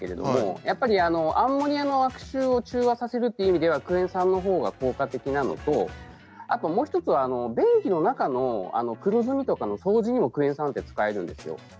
やっぱりアンモニアの悪臭を中和させるという意味ではクエン酸が効果的なのともう１つは、便器の中の黒ずみなどにもクエン酸は使えるんです。